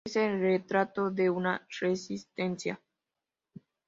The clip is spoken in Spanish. Es el retrato de una resistente.